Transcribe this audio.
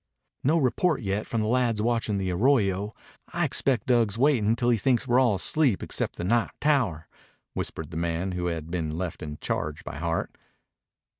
"No report yet from the lads watchin' the arroyo. I expect Dug's waitin' till he thinks we're all asleep except the night tower," whispered the man who had been left in charge by Hart.